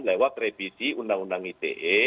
lewat revisi undang undang ite